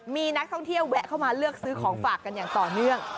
มีนักท่องเที่ยวแวะเข้ามาเลือกซื้อของฝากกันอย่างต่อเนื่อง